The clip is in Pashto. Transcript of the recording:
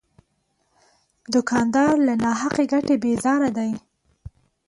دوکاندار له ناحقه ګټې بیزاره دی.